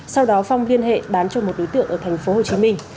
sau đó phong liên hệ bán cho một đối tượng ở thành phố hồ chí minh